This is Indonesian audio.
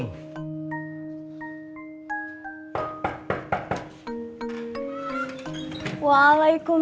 masih buat makan